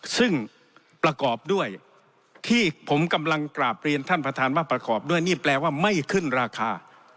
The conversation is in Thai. ซึ่งประกอบด้วยที่ผมกำลังกราบเรียนท่านประธานว่าประกอบด้วยนี่แปลว่าไม่ขึ้นราคา